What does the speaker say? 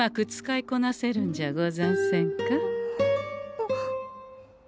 あっ。